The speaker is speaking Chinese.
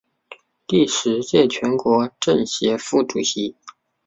第十届全国政协副主席。